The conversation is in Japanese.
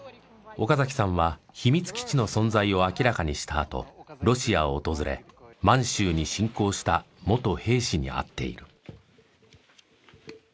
岡崎さんは秘密基地の存在を明らかにしたあとロシアを訪れ満州に侵攻した元兵士に会っている。